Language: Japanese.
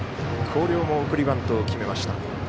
広陵も送りバントを決めました。